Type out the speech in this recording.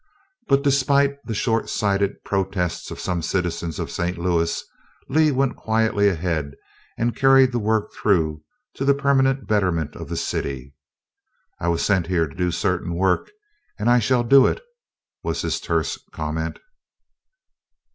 But despite the short sighted protests of some citizens of St. Louis, Lee went quietly ahead and carried the work through to the permanent betterment of the city. "I was sent here to do certain work, and I shall do it," was his terse comment.